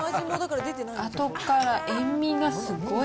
後から塩味がすごい。